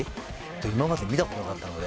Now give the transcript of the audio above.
今まで見たことなかったので。